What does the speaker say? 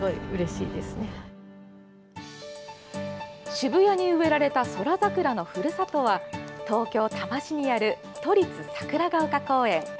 渋谷に植えられた宇宙桜のふるさとは東京・多摩市にある都立桜ヶ丘公園。